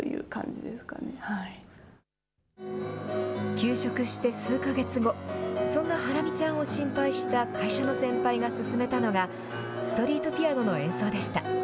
休職して数か月後、そんなハラミちゃんを心配した会社の先輩が勧めたのが、ストリートピアノの演奏でした。